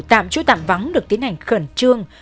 tạm trú tạm vắng được tiến hành khẩn trương